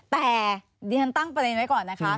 แต่ดิฉันตั้งประเด็นไว้ก่อนนะคะ